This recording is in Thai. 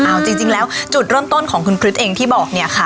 เอาจริงแล้วจุดเริ่มต้นของคุณคริสเองที่บอกเนี่ยค่ะ